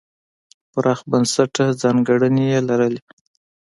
پراخ بنسټه ځانګړنې یې لرلې.